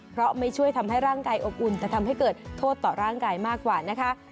เพราะไม่ช่วยทำให้ร่างกายอบอุ่นจะทำให้เกิดโทษต่อร่างกายมากกว่านะคะ